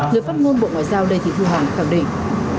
người phát ngôn bộ ngoại giao lê thị thu hằng khẳng định